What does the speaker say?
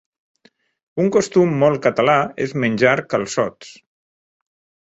Un costum molt català és menjar calçots.